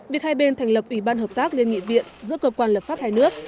việc hai bên thành lập ủy ban hợp tác liên nghị viện giữa cơ quan lập pháp hai nước